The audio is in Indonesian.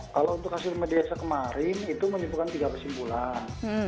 kalau untuk hasil mediasi kemarin itu menyimpulkan tiga kesimpulan